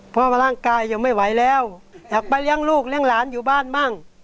เพราะร่างกายยังไม่ไหวแล้วอยากไปเลี้ยงลูกเลี้ยงหลานอยู่บ้านบ้าง